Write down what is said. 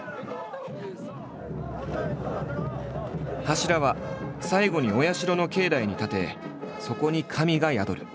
柱は最後にお社の境内に立てそこに神が宿る。